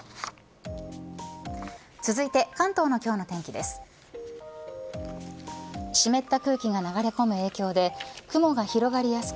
続いて関東の今日の天気です。